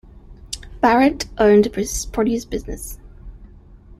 Barrett owned produce businesses.